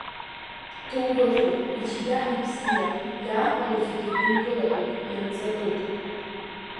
Ҭоурыхуп, ицәгьа ибзиа, иааҟало зегьы гәынкылатәуп, ианҵатәуп.